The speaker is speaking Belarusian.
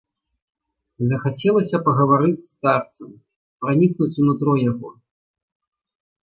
Захацелася пагаварыць з старцам, пранікнуць у нутро яго.